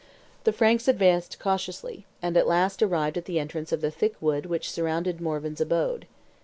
The Franks advanced cautiously, and at last arrived at the entrance of the thick wood which surrounded Morvan's abode.